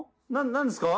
何ですか？